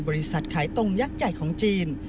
บริษัทขายตรงยักษ์ใหญ่ของจีน